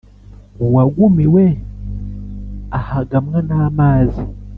Uwagumiwe ahagamwa n’amazi.